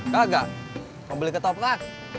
kagak mau beli ketoprak